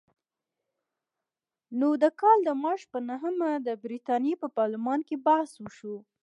نو د کال د مارچ په نهمه د برتانیې په پارلمان کې بحث وشو.